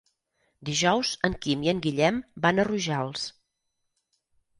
Dijous en Quim i en Guillem van a Rojals.